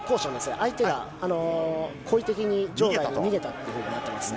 相手が故意的に場外に逃げたっていうふうになってますね。